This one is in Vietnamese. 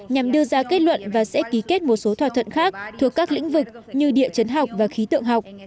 nhằm đưa ra kết luận và sẽ ký kết một số thỏa thuận khác thuộc các lĩnh vực như địa chấn học và khí tượng học